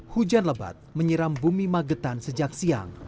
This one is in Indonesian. hujan lebat menyiram bumi magetan sejak siang